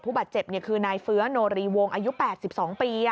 บาดเจ็บคือนายเฟื้อโนรีวงอายุ๘๒ปี